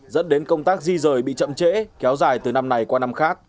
dẫn đến công tác di rời bị chậm trễ kéo dài từ năm này qua năm khác